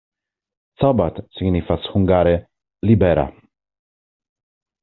Szabad signifas hungare: libera.